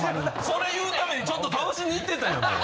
それ言うためにちょっと倒しに行ってたやんもう。